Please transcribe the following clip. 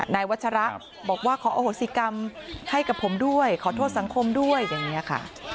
นายวัชระบอกว่าขออโหสิกรรมให้กับผมด้วยขอโทษสังคมด้วยอย่างนี้ค่ะ